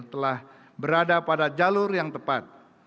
telah berada pada jalur yang tepat